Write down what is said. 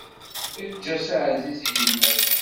Eǧǧ-as aɛziz i yemma-s.